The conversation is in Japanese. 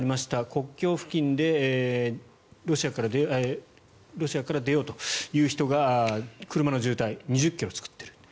国境付近でロシアから出ようという人が車の渋滞２０ｋｍ作っていると。